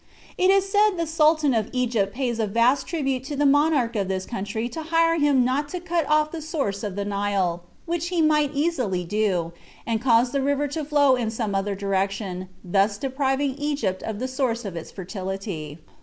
It is said the Sultan of Egypt pays a vast tribute to the monarch of this country to hire him not to cut off the source of the Nile, which he might easily do, and cause the river to flow in some other direction, thus depriving Egypt of the source of its fertility.